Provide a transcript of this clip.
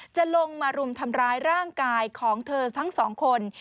จะลงมารุมทำร้ายร่างกายของเธอทั้งสองคน